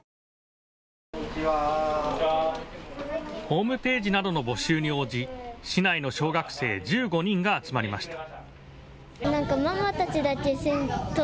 ホームページなどの募集に応じ市内の小学生１５人が集まりました。